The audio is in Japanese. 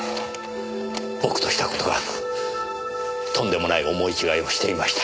僕としたことがとんでもない思い違いをしていました。